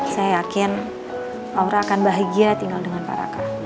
saya yakin aura akan bahagia tinggal dengan paraka